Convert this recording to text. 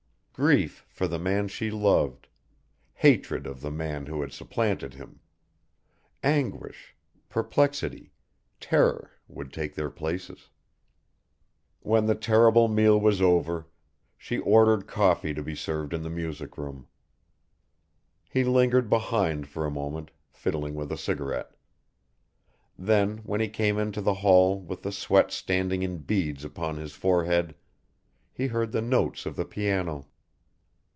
Grief for the man she loved, hatred of the man who had supplanted him, anguish, perplexity, terror, would take their places. When the terrible meal was over, she ordered coffee to be served in the music room. He lingered behind for a moment, fiddling with a cigarette. Then, when he came into the hall with the sweat standing in beads upon his forehead, he heard the notes of the piano.